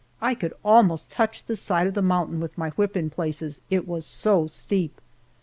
I could almost touch the side of the mountain with my whip in places, it was so steep.